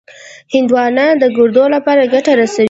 هندوانه د ګردو لپاره ګټه لري.